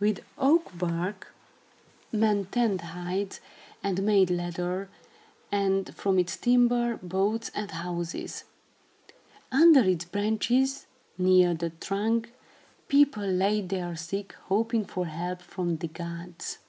With oak bark, men tanned hides and made leather, and, from its timber, boats and houses. Under its branches, near the trunk, people laid their sick, hoping for help from the gods.